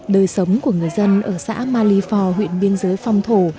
đời sống của người dân ở xã malifor huyện biên giới phong thổ